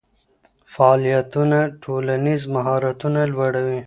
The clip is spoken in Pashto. فعالیتونه ټولنیز مهارتونه لوړوي.